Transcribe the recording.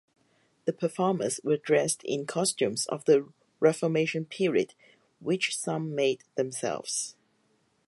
The performers were dressed in costumes of the Reformation period which some made themselves.